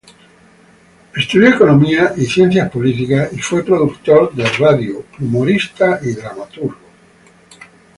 Estudió economía y ciencias políticas y fue productor de radio, humorista y dramaturgo.